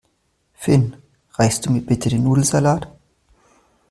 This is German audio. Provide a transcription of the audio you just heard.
Finn, reichst du mir bitte den Nudelsalat?